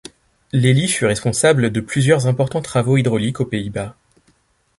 Lely fut responsable de plusieurs importants travaux hydrauliques aux Pays-Bas.